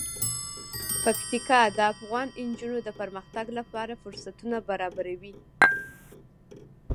پکتیکا د افغان نجونو د پرمختګ لپاره فرصتونه برابروي.